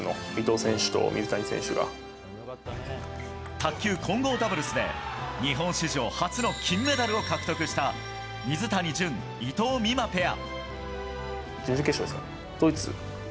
卓球混合ダブルスで日本史上初の金メダルを獲得した水谷隼、伊藤美誠ペア。